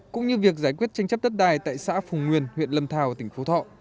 cũng như việc giải quyết tranh chấp đất đai tại xã phùng nguyên huyện lâm thao tỉnh phú thọ